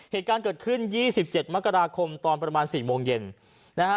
เหตุการณ์เกิดขึ้น๒๗มกราคมตอนประมาณ๔โมงเย็นนะฮะ